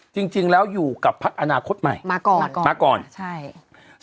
จริงจริงแล้วอยู่กับพักอนาคตใหม่มาก่อนมาก่อนมาก่อนใช่